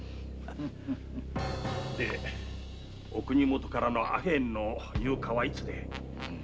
お国許からのアヘンの入荷はいつ？